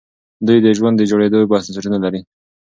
دوی د ژوند د جوړېدو بنسټونه لري.